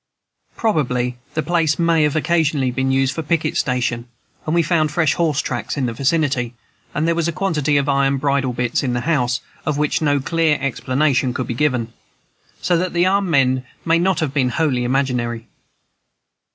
Probably the place may have been occasionally used for a picket station, and we found fresh horse tracks in the vicinity, and there was a quantity of iron bridle bits in the house, of which no clear explanation could be given; so that the armed men may not have been wholly imaginary.